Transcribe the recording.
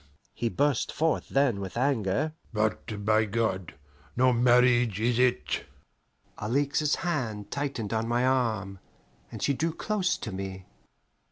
he burst forth then with anger. "But, by God! no marriage is it!" Alixe's hand tightened on my arm, and she drew close to me.